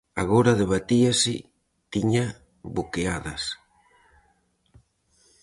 Agora debatíase; tiña boqueadas.